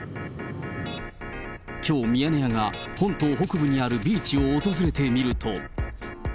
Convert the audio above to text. きょう、ミヤネ屋が本島北部にあるビーチを訪れてみると。